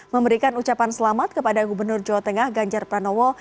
memberikan ucapan selamat kepada gubernur jawa tengah ganjar pranowo